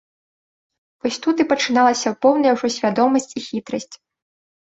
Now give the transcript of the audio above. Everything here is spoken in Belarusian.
Вось тут і пачыналася поўная ўжо свядомасць і хітрасць.